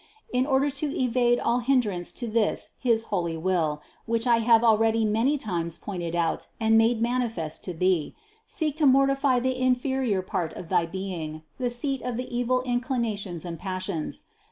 In order to evade all hindrance to this his holy Will, which I have already many times pointed out and made manifest to thee, seek to mortify the inferior part of thy being, the seat of the evil inclinations and passions.